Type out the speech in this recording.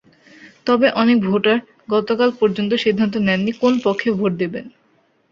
তবে অনেক ভোটার গতকাল পর্যন্ত সিদ্ধান্ত নেননি, কোন পক্ষে ভোট দেবেন।